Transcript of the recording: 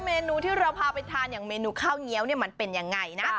เมนูที่เราพาไปทานอย่างเมนูข้าวเงี้ยวเนี่ยมันเป็นยังไงนะ